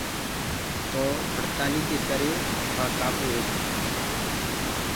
تو هڙتآلي ڪي ڪري وهآ ڪآبو هوگو۔